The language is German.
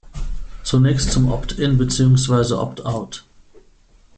Zunächst zum 'opt-in' bzw. 'opt-out'.